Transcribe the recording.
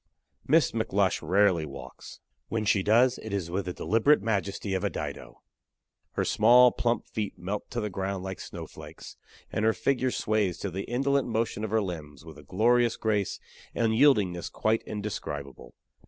Miss McLush rarely walks. When she does, it is with the deliberate majesty of a Dido. Her small, plump feet melt to the ground like snowflakes; and her figure sways to the indolent motion of her limbs with a glorious grace and yieldingness quite indescribable.